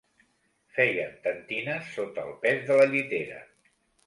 Feien tentines sota el pes de la llitera